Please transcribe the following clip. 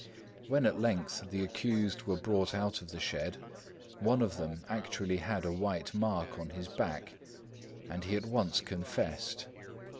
When at length the accused were brought out of the shed, one of them actually had a white mark on his back, and he at once confessed.